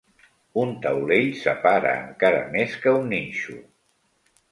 Un taulell separa encara més que un ninxo.